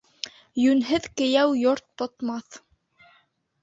Йүнһеҙ кейәү йорт тотмаҫ.